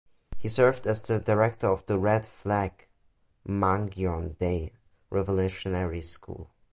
He served as the director of the Red Flag Mangyongdae Revolutionary School.